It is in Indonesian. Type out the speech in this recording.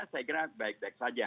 saya kira baik baik saja